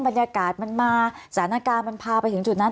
บรรยากาศมันมาสถานการณ์มันพาไปถึงจุดนั้น